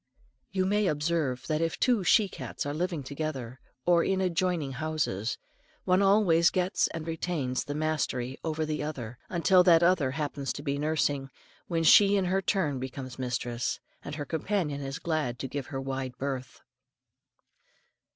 You may often observe that if two she cats are living together, or in adjoining houses, one always gets and retains the mastery over the other, until that other happens to be nursing, when she in her turn becomes mistress, and her companion is glad to give her a wide berth.